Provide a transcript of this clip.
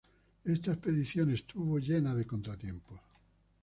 Esta expedición estuvo lleno de contratiempos.